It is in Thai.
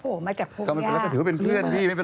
หมาหมาหมาหมาหมาหมาหมาหมาหมา